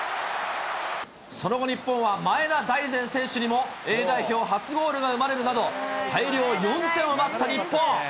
その後、日本は前田大然選手にもＡ代表初ゴールが生まれるなど、大量４点を奪った日本。